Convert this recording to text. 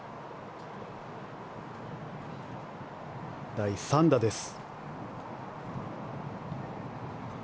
第３打です。